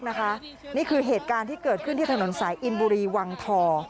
นี่คือเหตุการณ์ที่เกิดขึ้นที่ถนนสายอินบุรีวังทอง